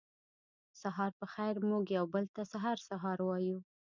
سهار پخېر موږ یو بل ته هر سهار وایو